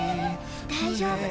大丈夫。